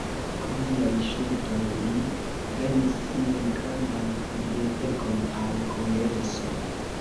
Pro liaj ŝuldoj, li vendis sian grandan bibliotekon al Kongreso.